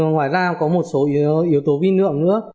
ngoài ra có một số yếu tố vi lượng nữa